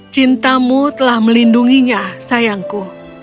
cintamu telah melindunginya sayangku